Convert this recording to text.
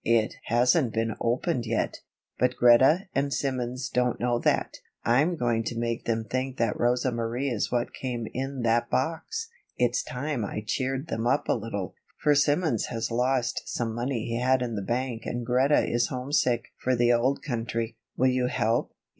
It hasn't been opened yet; but Greta and Simmons don't know that. I'm going to make them think that Rosa Marie is what came in that box it's time I cheered them up a little, for Simmons has lost some money he had in the bank and Greta is homesick for the old country. Will you help?"